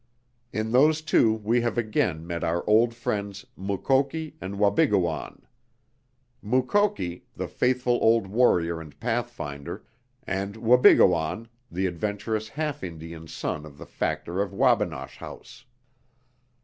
In those two we have again met our old friends Mukoki and Wabigoon: Mukoki, the faithful old warrior and pathfinder, and Wabigoon, the adventurous half Indian son of the factor of Wabinosh House.